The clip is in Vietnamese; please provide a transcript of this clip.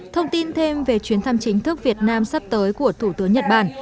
thông tin thêm về chuyến thăm chính thức việt nam sắp tới của thủ tướng nhật bản